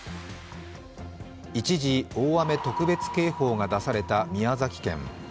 一時、大雨特別警報が出された宮崎県。